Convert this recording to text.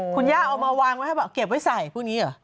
คุณย่าเอามาวางไว้ให้บอกเก็บไว้ใส่พวกนี้เหรอ